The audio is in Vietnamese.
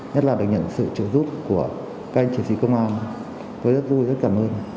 nhất là được nhận sự trợ giúp của các anh chiến sĩ công an tôi rất vui rất cảm ơn